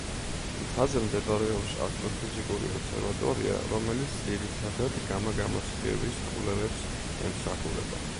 მთაზე მდებარეობს ასტროფიზიკური ობსერვატორია, რომელიც ძირითადად გამა-გამოსხივების კვლევებს ემსახურება.